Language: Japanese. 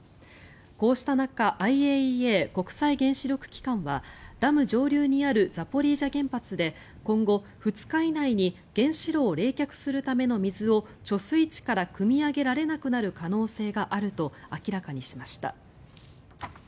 こうした中ＩＡＥＡ・国際原子力機関はダム上流にあるザポリージャ原発で今後２日以内に原子炉を冷却するための水を貯水池からくみ上げられなくなる可能性があると明らかにしました。